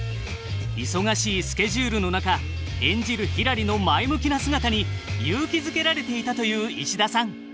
忙しいスケジュールの中演じるひらりの前向きな姿に勇気づけられていたという石田さん。